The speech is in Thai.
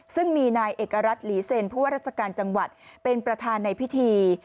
ซึ่งมีนายเอกรัฐหลีเซ็นผู้ว่าราชการจังหวัดเป็นประธานในพิธี